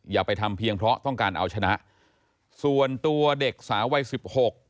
อย่าไปทำเพียงเพราะต้องการเอาชนะส่วนตัวเด็กสาววัยสิบหก